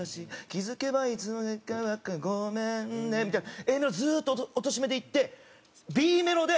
「気付けば喧嘩ばっかりごめんね」みたいなＡメロずっと落としめでいってＢメロで。